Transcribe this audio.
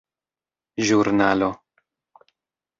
ĵurnalo